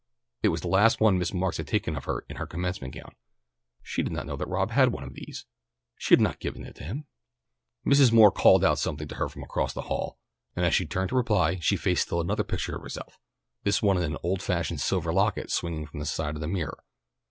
It was the last one Miss Marks had taken of her, in her commencement gown. She did not know that Rob had one of them. She had not given it to him. Mrs. Moore called out something to her from across the hall, and as she turned to reply she faced still another picture of herself, this one in an old fashioned silver locket swinging from the side of the mirror.